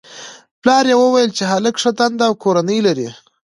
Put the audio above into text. پلار یې ویل چې هلک ښه دنده او کورنۍ لري